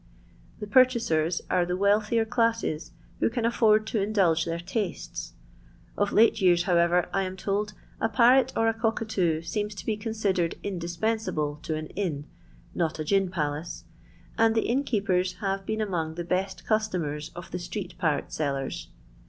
The purchasers are the wealthier classes who can afford to indulge their tastes. Of late years, however, I am told, a parrot or a cockatoo seems to be considered indispensable to an inn (not a gin palace), and the innkeepers have been among the best customers of the street parrot sellers.